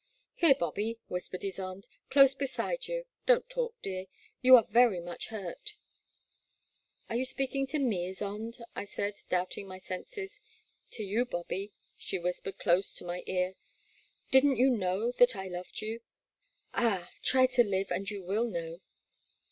Here, Bobby,'* whispered Ysonde —close beside you; don't talk, dear, you are very much hurt. Are you speaking to me, Ysonde ?'* I said, doubting my senses. To you, Bobby, she whispered close to my ear, did n't you know that I loved you ? Ah, try to live and you will know